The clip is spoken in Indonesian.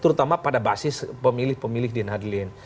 terutama pada basis pemilih pemilih di nadlin